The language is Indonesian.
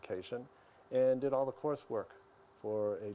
misalnya untuk pekerjaan